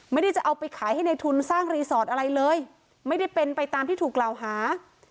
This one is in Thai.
ไม่ได้จะเอาไปขายให้ในทุนสร้างรีสอร์ทอะไรเลยไม่ได้เป็นไปตามที่ถูกกล่าวหา